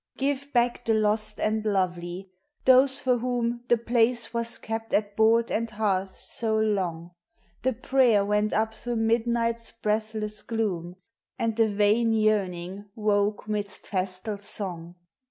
Give back the lost and lovely! — those for whom The place was kept at board and hearth so long ! The prayer went up through midnight's breath less gloom, And the vain yearning woke midst festal song!